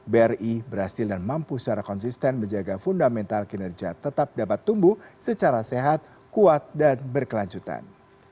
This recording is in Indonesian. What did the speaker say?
bri berhasil dan mampu secara konsisten menjaga fundamental kinerja tetap dapat tumbuh secara sehat kuat dan berkelanjutan